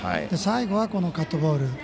最後は、カットボール。